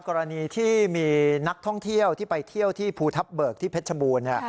กรณีที่มีนักท่องเที่ยวที่ไปเที่ยวที่ภูทับเบิกที่เพชรบูรณ์